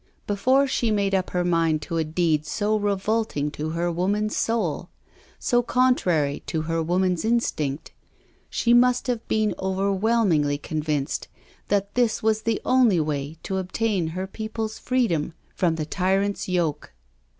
Before she made up her mind to a deed so revolting to her woman's soul, so contrary to her woman's instinct, she must have been overwhelmingly convinced that this was the only way to obtain her people's freedom from the tyrant's yoke.